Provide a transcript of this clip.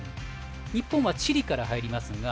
日本はチリから入りますが。